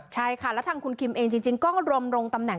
ใช่ค่ะแล้วทางคุณคิมเองจริงก็รมรงตำแหน